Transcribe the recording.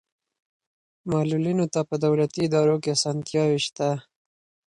معلولینو ته په دولتي ادارو کې اسانتیاوې شته.